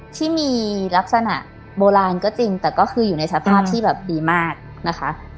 ที่มีลักษณะโบราณก็จริงแต่ก็คืออยู่ในสภาพที่แบบดีมากนะคะ